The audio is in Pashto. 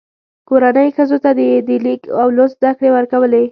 کورنۍ ښځو ته یې د لیک او لوست زده کړې ورکولې.